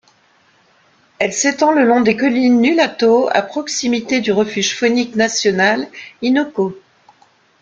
Elle s'étend le long des collines Nulato, à proximité du Refuge faunique national Innoko.